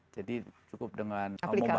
jadi cukup dengan mobile phone